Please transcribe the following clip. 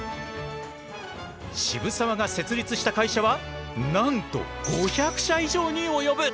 渋沢が設立した会社はなんと５００社以上に及ぶ。